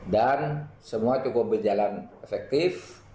semua cukup berjalan efektif